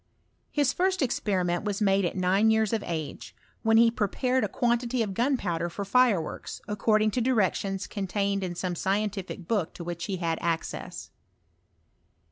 :His first experiment was made at nine years of age, when he prepared a quantity of gunpowder for fireworks, according to directions contained in. some "Scientific book to which he had access.